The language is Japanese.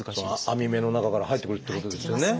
網目の中から入ってくるってことですよね。